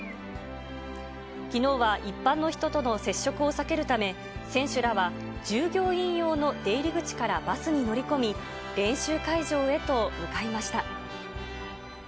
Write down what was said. きのうは一般の人との接触を避けるため、選手らは従業員用の出入り口からバスに乗り込み、練習会場へと向かいました。